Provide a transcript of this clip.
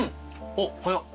おっ早っ。